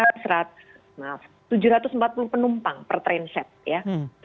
tujuh ratus empat puluh penumpang per train set ya